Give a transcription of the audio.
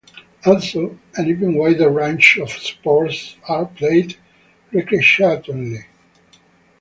Also, an even wider range of sports are played recreationally.